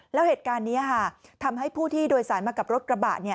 แล้วเหตุการณ์นี้ทำให้ผู้ที่โดยสารมากับรถกระบะ